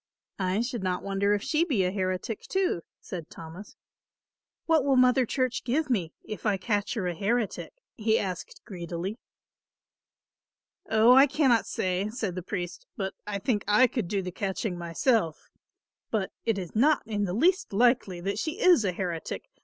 "I should not wonder if she be a heretic, too," said Thomas. "What will Mother Church give me, if I catch her a heretic?" he asked greedily. "Oh, I cannot say," said the priest, "but I think I could do the catching myself; but it is not in the least likely that she is a heretic.